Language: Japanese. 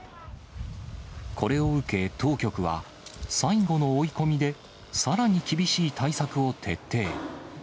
これを受け、当局は、最後の追い込みで、さらに厳しい対策を徹底。